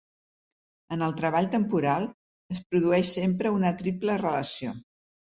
En el treball temporal es produeix sempre una triple relació.